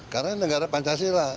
karena negara pancasila